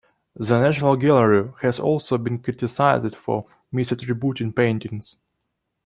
The National Gallery has also been criticised for misattributing paintings.